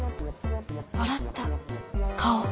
笑った顔？